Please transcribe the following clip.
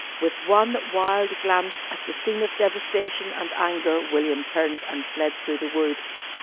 With one wild glance at the scene of devastation and anger, William turned and fled through the wood.